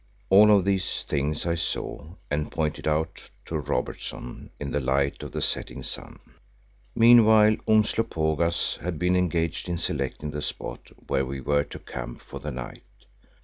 All of these things I saw and pointed out to Robertson in the light of the setting sun. Meanwhile Umslopogaas had been engaged in selecting the spot where we were to camp for the night.